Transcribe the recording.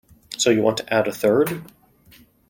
So you want to add a third?